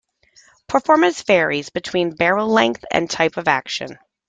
Performance varies between barrel length and the type of action.